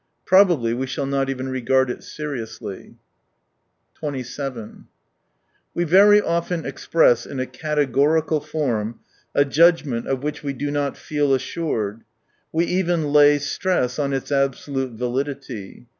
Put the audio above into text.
Probably we shall not even regard it seriously. (^ We tery often eisptess in a categorical form a judgment of which we do not feel assured, we even lay stress on its absolute validity.